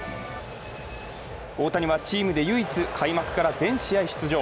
大谷はチームで唯一開幕から全試合出場。